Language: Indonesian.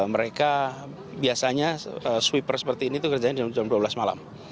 mereka biasanya sweeper seperti ini itu kerjanya jam dua belas malam